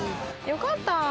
よかったよ。